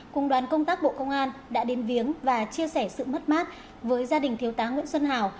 cùng đoàn công tác bộ công an đã đến viếng và chia sẻ sự mất mát với gia đình thiếu tá nguyễn xuân hào